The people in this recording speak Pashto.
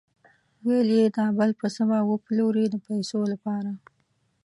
ویل یې دا بل پسه به وپلوري د پیسو لپاره.